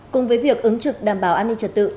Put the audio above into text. cùng với việc ứng trực đảm bảo an ninh trật tự